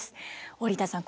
織田さん